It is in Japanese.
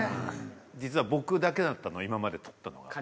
実は僕だけだったの今まで取ったのが。